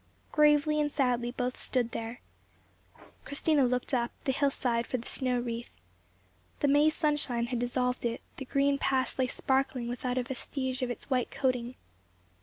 Gravely and sadly both stood there. Christina looked up the hillside for the snow wreath. The May sunshine had dissolved it; the green pass lay sparkling without a vestige of its white coating.